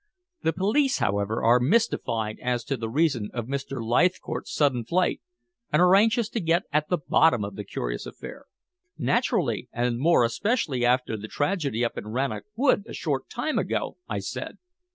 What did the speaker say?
The police, however, are mystified as to the reason of Mr. Leithcourt's sudden flight, and are anxious to get at the bottom of the curious affair." "Naturally. And more especially after the tragedy up in Rannoch Wood a short time ago," I said.